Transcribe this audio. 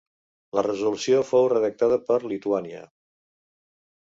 La resolució fou redactada per Lituània.